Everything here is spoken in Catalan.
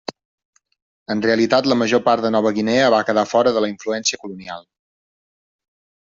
En realitat la major part de Nova Guinea va quedar fora de la influència colonial.